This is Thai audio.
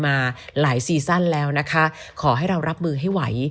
มาหลายซีซั่นแล้วนะคะขอให้เรารับมือให้ไหว